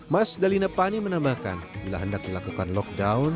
mas dalina pani menambahkan bila hendak dilakukan lockdown